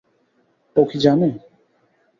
ও কি জানে?